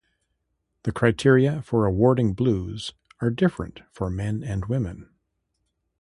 The criteria for awarding blues are different for men and women.